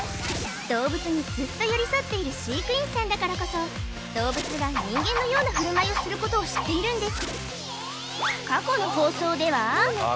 動物にずっと寄り添っている飼育員さんだからこそ動物は人間のような振る舞いをすることを知っているんです